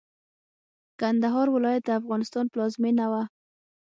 کندهار ولايت د افغانستان پلازمېنه وه.